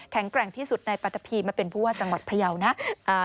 แกร่งที่สุดในปัตตะพีมาเป็นผู้ว่าจังหวัดพยาวนะ